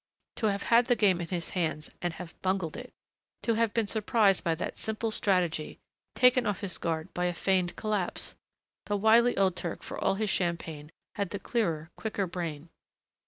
To have had the game in his hands and have bungled it! To have been surprised by that simple strategy, taken off his guard by a feigned collapse! The wily old Turk for all his champagne had the clearer, quicker brain....